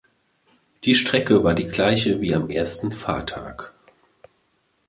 Die Strecke war die gleiche wie am ersten Fahrtag.